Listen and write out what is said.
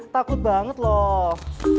takut banget loh